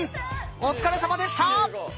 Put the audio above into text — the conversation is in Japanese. お疲れさまでした！